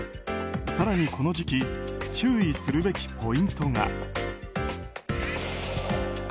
更に、この時期注意するべきポイントが。